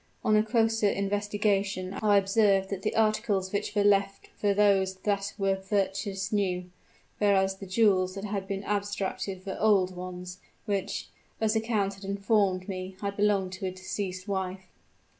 On a closer investigation I observed that the articles which were left were those that were purchased new; whereas the jewels that had been abstracted were old ones, which, as the count had informed me, had belonged to his deceased wife.